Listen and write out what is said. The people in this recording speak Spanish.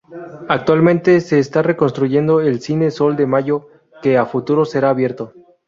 Actualmente se está reconstruyendo el Cine Sol de Mayo, que a futuro será abierto..